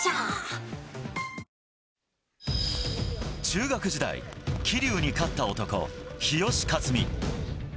中学時代、桐生に勝った男、日吉克実。